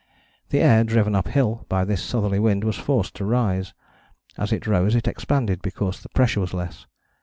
The air, driven uphill by this southerly wind, was forced to rise. As it rose it expanded, because the pressure was less.